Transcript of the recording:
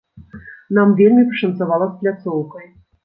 Нам вельмі пашанцавала з пляцоўкай.